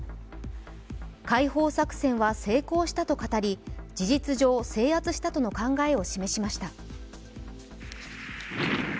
解放作戦は成功したと語り事実上制圧したとの考えを示しました。